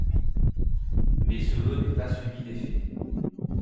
Mais ce vœu n'est pas suivi d'effet.